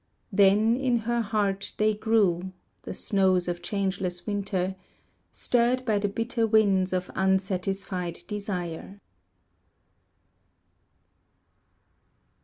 Then in her heart they grew The snows of changeless winter Stirred by the bitter winds of unsatisfied desire.